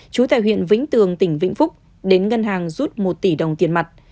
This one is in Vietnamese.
chú tại huyện vĩnh tường tỉnh vĩnh phúc đến ngân hàng rút một tỷ đồng tiền mặt